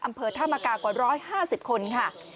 อำเภอธามกากว่า๑๕๐คนค่ะ